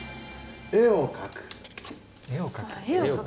絵を描く？